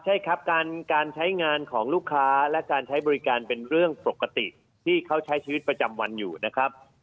ใช่ครับการใช้งานของลูกค้าและการใช้บริการเป็นเรื่องปกติที่เขาใช้ชีวิตประจำวันอยู่นะครับ